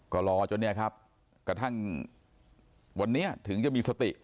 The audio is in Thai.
ก็รอจนเนี่ยครับกระทั่งวันนี้ถึงจะมีสติ